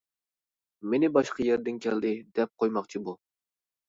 مېنى باشقا يەردىن كەلدى، دەپ قويماقچى بۇ!